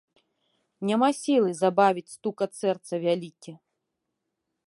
Няма сілы забавіць стукат сэрца вялікі.